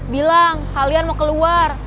bilang kalian mau keluar